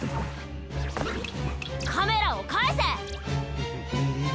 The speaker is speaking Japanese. カメラをかえせ！